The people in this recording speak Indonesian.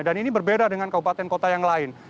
dan ini berbeda dengan kabupaten kota yang lain